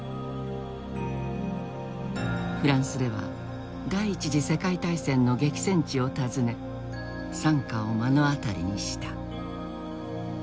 フランスでは第一次世界大戦の激戦地を訪ね惨禍を目の当たりにした。